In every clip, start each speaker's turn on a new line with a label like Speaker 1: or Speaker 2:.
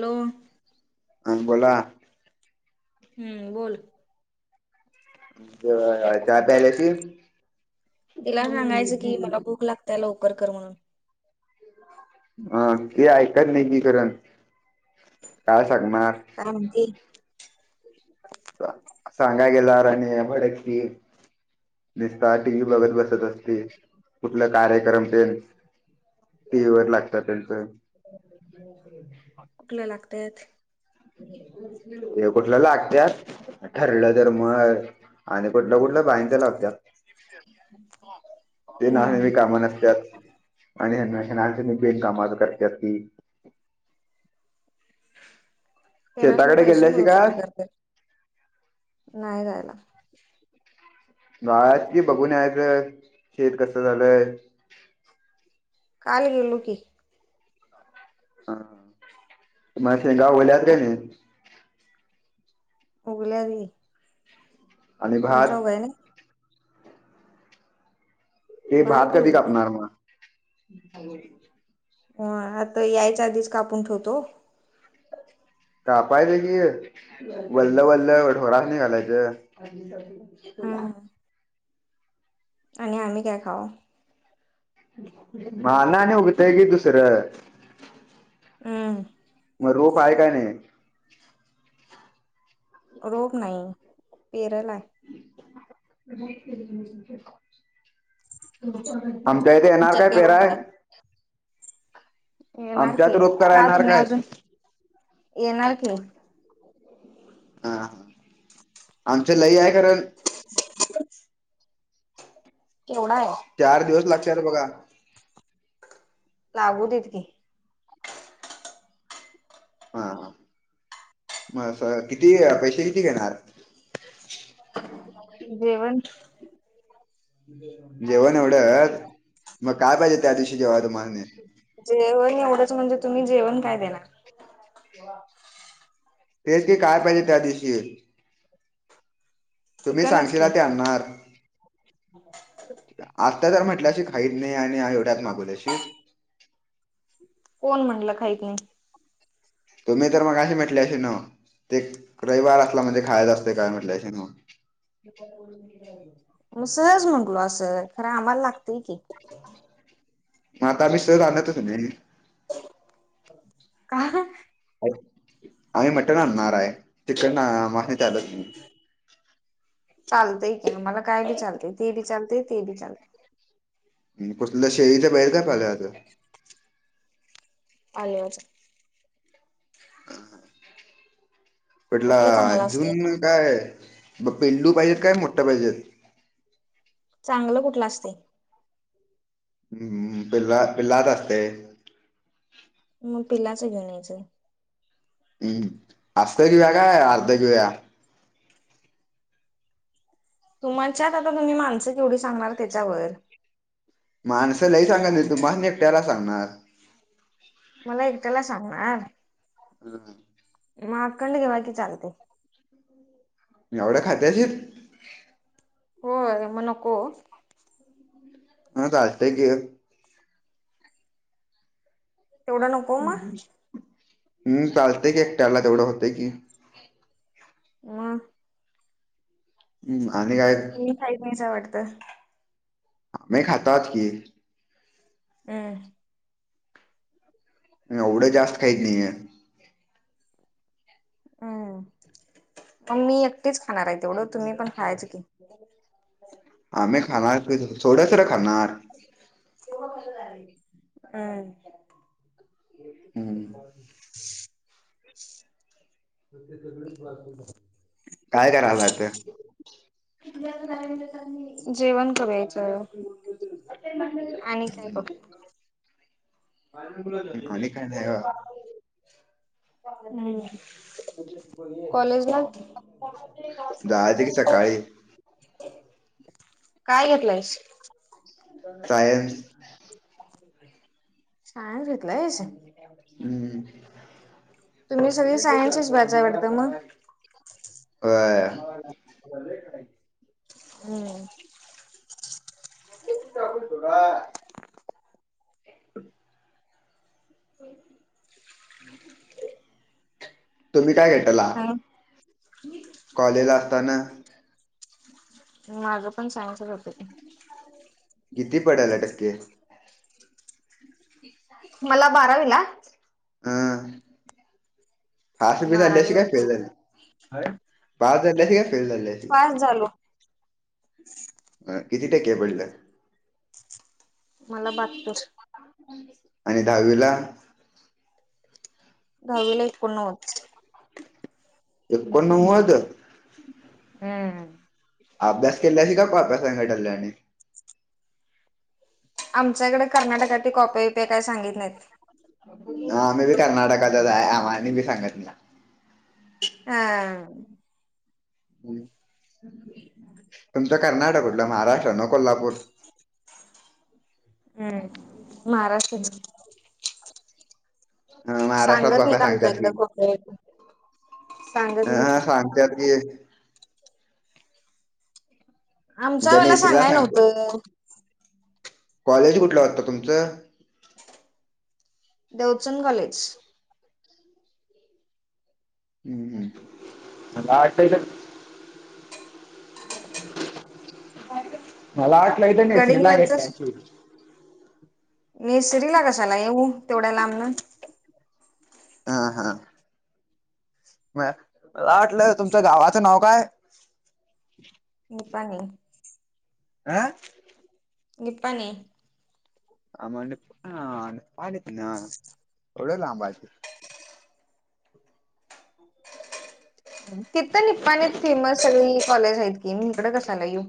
Speaker 1: Hello
Speaker 2: अन बोला.
Speaker 1: हम्म बोल.
Speaker 2: चहा प्यायला येती.
Speaker 1: तिला सांगायचं की, मला भूक लागतय. लवकर कर म्हणून.
Speaker 2: अ ते ऐकत नाही की खर. काय सांगणार.
Speaker 1: काय म्हणती?
Speaker 2: सांगा गेला राणे भडकती. निसता टी व्ही बघत बसत असते. कुठलं कार्यक्रम ते. टी व्ही वर लागतात त्यांचं.
Speaker 1: कुठल्या लागतात.
Speaker 2: ते कुठलं लागतात. ठरलं तर मग. आणि कुठलं कुठलं बाईचा लावत्यात. ते ना
Speaker 1: हम्म
Speaker 2: कामा नसतात. आणि याना बेनकाम करतात ती
Speaker 1: त्यांनाच ना
Speaker 2: शेताकडे
Speaker 1: पैसे
Speaker 2: गेल्याशी का
Speaker 1: मिळूसाठी करतात. नाही जायला.
Speaker 2: गाळात कि बघून याच शेत कसं झालंय.
Speaker 1: काल गेलो की.
Speaker 2: हा माझ गाव वल्या्याहत काय नी.
Speaker 1: उघल्या बी.
Speaker 2: आणि भात
Speaker 1: तुमचा उघाय नाही. नाही
Speaker 2: ते भात
Speaker 1: बी
Speaker 2: कधी
Speaker 1: उगले
Speaker 2: कापणार म.
Speaker 1: व्हय आता यायच्या आधीच कापून ठेवतो.
Speaker 2: कापायचे कि, वल्ल वल्ल ढोरासनि घालायचं. इला
Speaker 1: हम्म
Speaker 2: [unintelligible]
Speaker 1: आणि आम्ही काय खाऊ?
Speaker 2: मा ना आणि उगतय की दुसरं.
Speaker 1: हम्म.
Speaker 2: म रोप आहे काय नाही.
Speaker 1: रोप नाही. पेरलाय.
Speaker 2: [unintelligible] आमच्या इथे येणार
Speaker 1: तुमच्यात
Speaker 2: काय
Speaker 1: रोप
Speaker 2: पेराय?
Speaker 1: येणार
Speaker 2: आमच्यात
Speaker 1: की,
Speaker 2: रोप करा
Speaker 1: का
Speaker 2: येणार
Speaker 1: तुम्ही
Speaker 2: काय
Speaker 1: अजून. येणार की.
Speaker 2: हा. आमचं लई हाय कारण.
Speaker 1: केवढाय.
Speaker 2: चार दिवस लागते रे बघा.
Speaker 1: लागू देत की.
Speaker 2: हा, हा. म किती पैसे किती घेणार?
Speaker 1: जेवण
Speaker 2: जेवण एवढंच. म काय पाहिजे त्या दिवशी जेवाय तुम्हाला.
Speaker 1: जेवण एवढंच म्हणजे, तुम्ही जेवण काय देणार.
Speaker 2: तेच की, काय पाहिजे त्या दिवशी? तुम्ही
Speaker 1: चिकनच
Speaker 2: सांगशीला
Speaker 1: की
Speaker 2: ते आणार. आता जर म्हटलंशी खात नाही आणि एवढ्यात मागूशी
Speaker 1: कोण म्हटलं खाहीत नाही
Speaker 2: तुम्ही तर मगही म्हटल्याश ना ते रविवार असला म्हणजे खायच असते काय म्हटल्याश ना
Speaker 1: म सहज म्हंटलो असं खरं आम्हाला लागतय की
Speaker 2: मग आता आम्ही सह आणतच नाही
Speaker 1: का
Speaker 2: आम्ही मटण आणणार आहे चिकन मा आलंच
Speaker 1: चालतय के मला काय बी चालतय ते बी चालतेय ते बी चालते
Speaker 2: कुसलं शेळीच्या बाहेर काय पाहिलंता
Speaker 1: न्यवाद
Speaker 2: ह हा पटला
Speaker 1: कुठलं चांगलं असतय
Speaker 2: अजून काय पेंलू पाहिजेत काय मोठ्या पाहिजेत
Speaker 1: चांगलं कुठलं असते
Speaker 2: ह् पिल्ला पिल्लात असते
Speaker 1: मग पिलाच घेऊनयचं
Speaker 2: हम्म असतरी या का अर्ध कव
Speaker 1: तुमच्यात आता तुम्ही माणसं केवढी सांगणार त्याच्यावर
Speaker 2: माणसंलाही सांगा नाही तुम्हा एकट्याला सांगणार
Speaker 1: मला एकट्याला सांगणार
Speaker 2: हम
Speaker 1: मग अखंड घेवा की चालते
Speaker 2: मी एवढ्या खात्याशीर
Speaker 1: होय मग नको
Speaker 2: ह कास्त गे
Speaker 1: तेवढं नको मग
Speaker 2: हम्म चालते कि एकट्याला तेवढं होतय की
Speaker 1: व
Speaker 2: हम्म आणि काय
Speaker 1: मी खही नाहीचं वाटतं
Speaker 2: मी खातात की
Speaker 1: हम
Speaker 2: एवढं जास्त खाहीत नाहीये
Speaker 1: ह मग मी एकटीच खाणार आहे तेवढं तुम्ही पण खायच की
Speaker 2: आम्ही खाणार थोड्यासर खाणार
Speaker 1: अम्
Speaker 2: हम्म
Speaker 1: ते सगळेच वा
Speaker 2: काय करायला आता
Speaker 1: जेवण करायचं आणि काय की. मार कुळ.
Speaker 2: आणि काय नाही बा
Speaker 1: कॉलेज ना. त
Speaker 2: जायचं की
Speaker 1: का.
Speaker 2: सकाळी
Speaker 1: काय घेतलायस.
Speaker 2: सायन्स
Speaker 1: शायन घेतलंयस.
Speaker 2: हम्म
Speaker 1: तुम्ही सगळी सायन्सस भायवडतं मग
Speaker 2: अ
Speaker 1: हम् कतोरा
Speaker 2: तुम्ही काय घेटला कॉलेजला असताना
Speaker 1: मागं पण सायन्स च होते.
Speaker 2: किती पडाला टक्के. [inaudible]
Speaker 1: मला बारावीला.
Speaker 2: अं पास झालीस
Speaker 1: बारावीला
Speaker 2: का फेल
Speaker 1: होते
Speaker 2: झालीस पास झालीस का फेल झालीस.
Speaker 1: पास झालो.
Speaker 2: अ किती टक्के पडल.
Speaker 1: मला बहात्तर
Speaker 2: आणि दहावीला?
Speaker 1: दहावीला एकोन नव्वद.
Speaker 2: एकोण नव्वद.
Speaker 1: हम्म.
Speaker 2: अभ्यास केल्यास की कॉपी संघट आणल्यास.
Speaker 1: आमच्याकडे कर्नाटकात कॉपे विपे काय सांगित नाहीत.
Speaker 2: ह आम्ही बी कर्नाटकातच आहे आम्हानी मी सांगत मला
Speaker 1: हा.
Speaker 2: तुमचं कर्नाटक कूटलं महाराष्ट्र ना कोल्हापूर
Speaker 1: हम्म महाराष्ट्र.
Speaker 2: अ महाराष्ट्रात
Speaker 1: सांगत नाही
Speaker 2: कॉप्या
Speaker 1: आमच्या
Speaker 2: सांगतात की
Speaker 1: इकडं खरं.
Speaker 2: ह सांगते की.
Speaker 1: आमच्या
Speaker 2: त्या
Speaker 1: वेळा
Speaker 2: नेसरीला
Speaker 1: सांगाय
Speaker 2: सांगतो
Speaker 1: नव्हतं.
Speaker 2: कॉलेज कुठलं होतं तुमचं.
Speaker 1: देवचंद कॉलेज.
Speaker 2: हम्म हम्. मला वाटलं इथ नाही श्रीला घेतल्या.
Speaker 1: गडिंग्लजच मी श्रीला कशाला येऊ तेवढ्या लांबन.
Speaker 2: हा हा. म मला वाटलं तुमचं गावाचं नाव काय.
Speaker 1: निपाणी.
Speaker 2: आह‌?
Speaker 1: निपाणी.
Speaker 2: आ म्ह ह निपाणीच ना एवढ ला पाज.
Speaker 1: तिथं निपाणी फेमस कॉलेज आहेत. हे मी इकडं कसं येवू.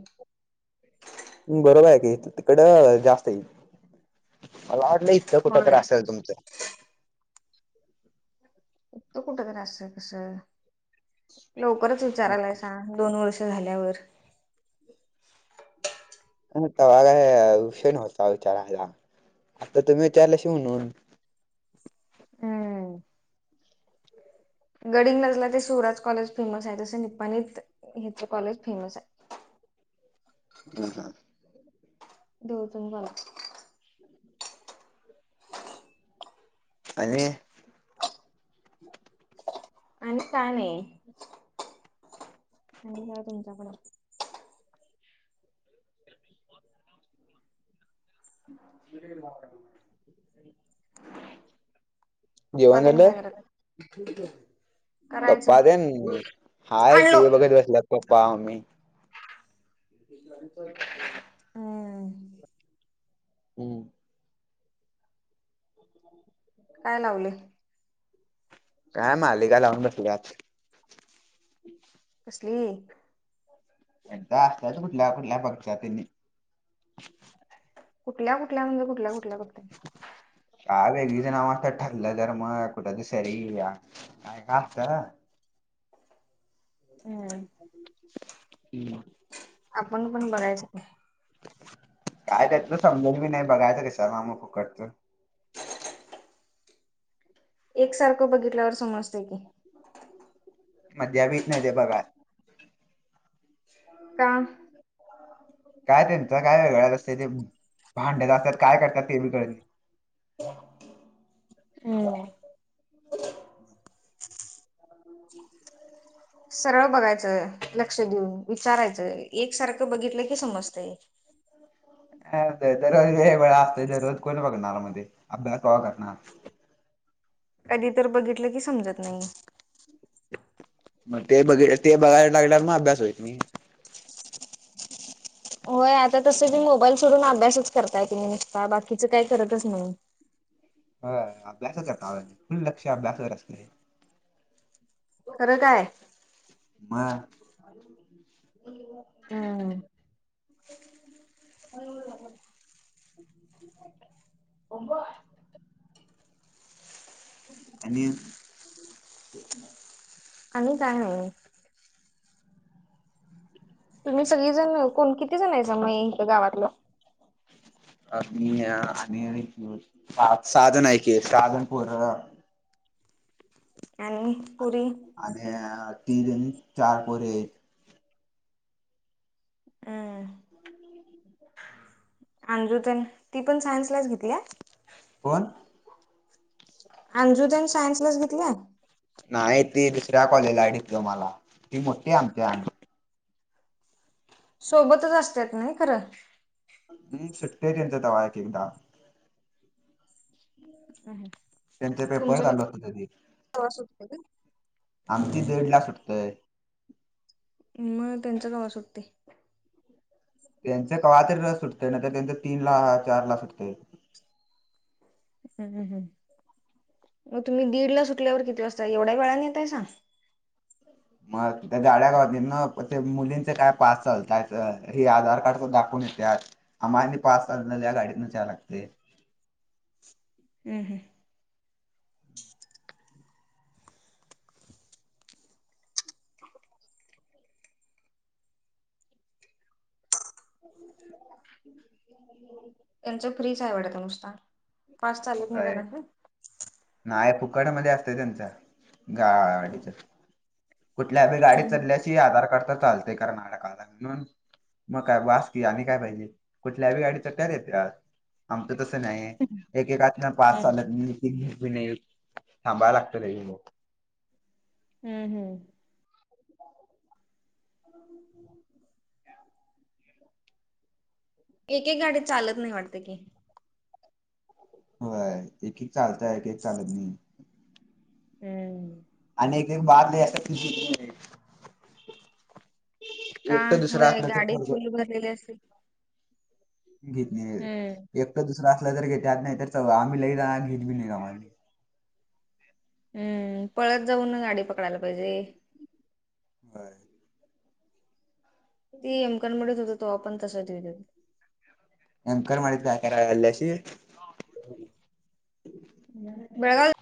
Speaker 2: बरोबर आहे का तिकडं जास्त आहे मला वाटलं कुठं
Speaker 1: होय
Speaker 2: तर असेल तुमचं.
Speaker 1: इथं कुठ करी असं कस लवकरच विचारायलाय सां दोन वर्ष झाल्यावर.
Speaker 2: त काय विषय नव्हता विचारायला आता तुम्ही विचारला शिवणून.
Speaker 1: हम्म. गडिंगलजला ते शिराज कॉलेज फेमस आहे तसं निपाणीत हिच कॉलेज फेमस आहे.
Speaker 2: हम्म हम्म.
Speaker 1: देवचंद कॉलेज.
Speaker 2: आणि काय.
Speaker 1: आणि काय नाही. आणि का तुमच्याकडे. आप्पा
Speaker 2: जेवण
Speaker 1: त्यांनी
Speaker 2: झालं
Speaker 1: काय करायलात. ठीक आहे.
Speaker 2: पप्पा देन हाय टी
Speaker 1: आणलो
Speaker 2: व्ही बघत बसलात पप्पा मम्मी.
Speaker 1: हम्म‌.
Speaker 2: हम्म. ह [unintelligible]
Speaker 1: काय लावले?
Speaker 2: काय मालिका लावून बसलीया
Speaker 1: कसली.
Speaker 2: एकदा असल्याच कुठल्या, कुठल्या पक्षात त्यांनी.
Speaker 1: कुठल्या, कुठल्या म्हणजे कुठल्या, कुठल्या करत
Speaker 2: का वेगळीचं नावत ठरलं तर मग कुठ दु सरी का का असत [unintelligible]
Speaker 1: हम्म.
Speaker 2: हम् [unintelligible]
Speaker 1: आपण पण बघायचं
Speaker 2: काय त्यातलं समजत मी नाही बघायचं कशा मा म फुकटच.
Speaker 1: एक सारखं बघितल्यावर समजते.
Speaker 2: मजा बी येत नाही ते बघा हो [inaudible]
Speaker 1: का..
Speaker 2: काय त्यांच काय वेगळळाच असते ते भांड्यात असतात काय करतात ते बि कडत नाय..
Speaker 1: हम्म. सरळ बघायचं लक्ष देऊन विचारायचं एकसारखं बघितलं की समजते.
Speaker 2: दररोज हे वेळा असतय दररोज कोणी बघणारमध्ये अभ्यास कोण करणार.
Speaker 1: कधी तर बघितलं की समजत नाही.
Speaker 2: मग ते बघ ते बघायला लागल्यावर मग अभ्यास होईना.
Speaker 1: होय आता तस बी मोबाईल सोडून अभ्यासच करताय तुम्ही बा बाकीचं काय करतच नाही.
Speaker 2: ह अभ्यास करता आ फुल लक्ष अभ्यासाकडे असते.
Speaker 1: खरं काय..
Speaker 2: म.. ह [unintelligible]
Speaker 1: हम्म..
Speaker 2: हो [unintelligible] [unintelligible] आणि..
Speaker 1: आणि काय हवं आहे. तुम्ही सगळीजण कोण किती जणय मग गावातलं.
Speaker 2: अ म आणि सा साहा जन ऐकी सहा जण पुर्ण.
Speaker 1: आणि पुढे.
Speaker 2: आणि तीन, चार पोरं हे.
Speaker 1: हम्म अमृता ती पण सायन्स लाच घेतली का.
Speaker 2: कोण?
Speaker 1: अंजुदन सायन्स लाच घेतल्या
Speaker 2: नाही त दुसऱ्या कॉलेजलाडिकलं मला ती मोठी आमची
Speaker 1: सोबतच असतात नाही खरं
Speaker 2: मी सुटतेय त्यांचा दवा एक एकदा
Speaker 1: अ
Speaker 2: त्यांचे परत आल होत ते.
Speaker 1: [unintelligible] होत का
Speaker 2: आमची दीड ला सुटत य..
Speaker 1: मग त्यांच कवा सुटते.
Speaker 2: त्यांच राहते सुटतं नाही तर त्यांच तीन ला चार ला सुटतय.
Speaker 1: हम्म मग तुम्ही दीड ला सुटल्यावर किती वाजता एवढ्या वेळाने येतायसा?
Speaker 2: मग त्या गाड्या गाव ना ते मुलींचे काय पास चालताय हे आधार कार्ड दाखवून येतात. आम्हा आणि पाच तास झाल्या गाडीतनं जाया लागतयं.
Speaker 1: हं हम्म
Speaker 2: [unintelligible]
Speaker 1: त्यांच्या फ्रीज आहे वाटतं नुसता फास्ट चालत नाही त्यांना
Speaker 2: नाय फुकट मध्ये असतंय त्यांचा गाडीचा कुठल्या तर गाडीत
Speaker 1: हम्म
Speaker 2: चढल्याशी आधार कार्ड तर चालतयं कार ना का म्हणून मग काय वा की आणि काय पाहिजे कुठल्यावी गाडीच तयार येत्यात. आमचं तसं नाही
Speaker 1: हम्म
Speaker 2: एकेकातनं पास चालत नाही. इथनं नाही येत थांबाय लागतंय लई येळ हो
Speaker 1: हम्म हम्म
Speaker 2: हम्
Speaker 1: एक एक गाडीत चालत नाही वाटतंय की
Speaker 2: होय एक एक चालतयं एक एक चालत नाही.
Speaker 1: हम्म
Speaker 2: आणि एक एक बाद [unintelligible]
Speaker 1: का
Speaker 2: एकटं दुसरं
Speaker 1: होय
Speaker 2: असलं तर
Speaker 1: गाडी
Speaker 2: पोरगं
Speaker 1: फुल भरलेली असेल.
Speaker 2: घेत
Speaker 1: हम्म
Speaker 2: नाही एकटं दुसरं असला जरी घेत्यात, नाही तर च आम्ही लई जा घेत बी नाही आम्हा
Speaker 1: हम्म पळत जाऊन गाडी पकडायला पाहिजे.
Speaker 2: व्हय
Speaker 1: तो पण तसाच डेंजर
Speaker 2: [unintelligible]
Speaker 1: बेळगाव